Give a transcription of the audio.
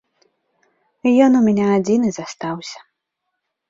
Ён у мяне адзіны застаўся.